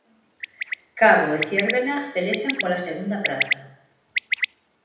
Cabo e Ziérbena pelexan pola segunda praza.